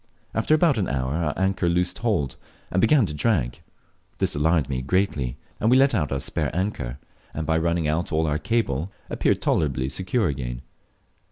After about an hour our anchor loosed hold, and began to drag. This alarmed me greatly, and we let go our spare anchor, and, by running out all our cable, appeared tolerably secure again.